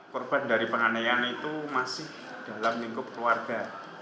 korban dari penganeian itu masih dalam lingkup keluarga